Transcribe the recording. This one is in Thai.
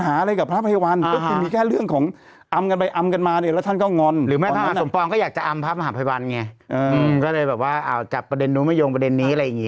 จากประเด็นนู้นไม่ยงประเด็นนี้อะไรอย่างนี้